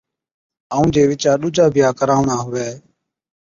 ائُون جي وِچا ڏُوجا بِيھا ڪراوڻا ھُوي